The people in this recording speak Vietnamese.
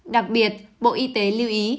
đặc biệt bộ y tế lưu ý